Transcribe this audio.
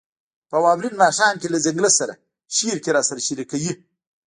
« په واورین ماښام کې له ځنګله سره» شعر کې راسره شریکوي: